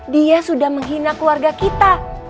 dia sudah menghina keluarga kita